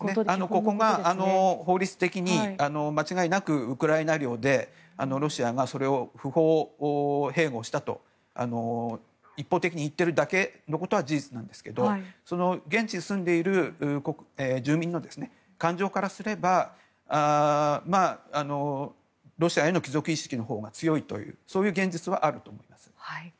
ここが法律的に間違いなくウクライナ領でロシアがそれを不法併合したと一方的に言っているだけのことは事実なんですけど現地に住んでいる住民の感情からすればロシアへの帰属意識のほうが強いというそういう現実はあると思います。